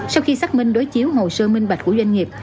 sau khi xác minh đối chiếu hồ sơ minh bạch của doanh nghiệp